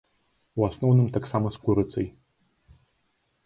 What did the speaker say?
У асноўным таксама з курыцай.